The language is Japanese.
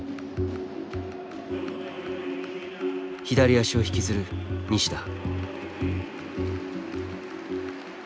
左足を引きずる西田。